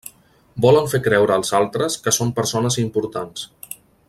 Volen fer creure als altres que són persones importants.